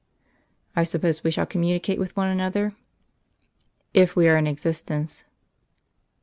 "I suppose we shall communicate with one another?" "If we are in existence."